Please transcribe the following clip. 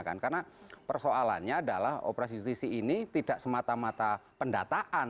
karena persoalannya adalah operasi justisi ini tidak semata mata pendataan